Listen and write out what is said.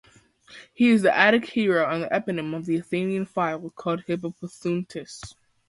He is the Attic hero and the eponym of the Athenian phyle called Hippothoontis.